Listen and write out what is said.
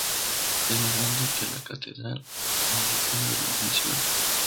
Es más grande que la catedral anglicana de la misma ciudad.